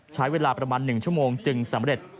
ใช้เวลาประมาณ๑ชั่วโมงจึงสำเร็จ